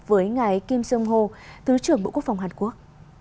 với ngài kim sơn hồ thứ trưởng bộ quốc phòng hàn quốc